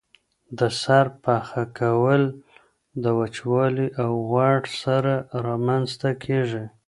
د سر پخه کول د وچوالي او غوړ سره رامنځته کیږي.